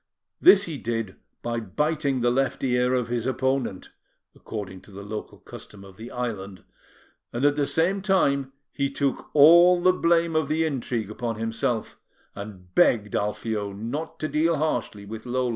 This he did by biting the left ear of his opponent, according to the local custom of the island; and at the same time, he took all the blame of the intrigue upon himself, and begged Alfio not to deal harshly with Lola.